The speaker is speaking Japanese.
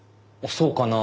そうかな？